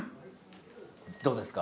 どうですか？